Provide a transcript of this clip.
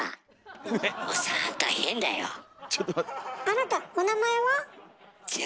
あなたお名前は？